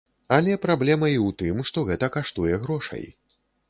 Але праблема і ў тым, што гэта каштуе грошай.